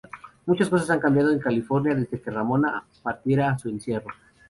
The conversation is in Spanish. Muchas cosas han cambiado en California desde que Ramona partiera a su encierro.